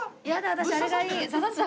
私あれがいい。